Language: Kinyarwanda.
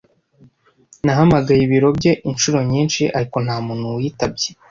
Nahamagaye ibiro bye inshuro nyinshi, ariko nta muntu witabye.